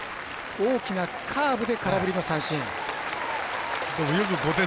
大きなカーブで空振りの三振。